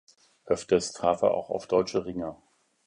Öfters traf er auch auf deutsche Ringer.